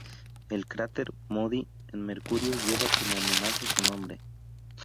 El cráter Moody, en Mercurio, lleva como homenaje su nombre.